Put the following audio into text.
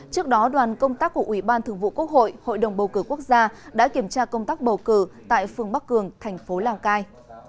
trước đó đoàn công tác của ủy ban thường vụ quốc hội hội đồng bầu cử quốc gia đã kiểm tra công tác bầu cử tại phương bắc cường thành phố lào cai